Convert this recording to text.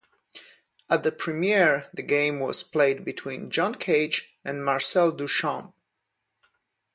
At the premiere, the game was played between John Cage and Marcel Duchamp.